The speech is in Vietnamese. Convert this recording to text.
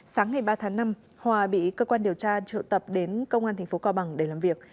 sáng ngày ba tháng năm hòa bị cơ quan điều tra triệu tập đến công an tp cao bằng để làm việc